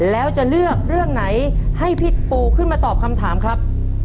แล้วจะเลือกเรื่องไหนให้พี่ปูขึ้นมาตอบคำถามครับ